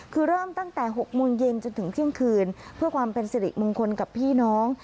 คือเริ่มตั้งแต่๖โมงเย็นจนถึงเที่ยงคืนเพื่อความเป็นสิริมงคลกับพี่น้อง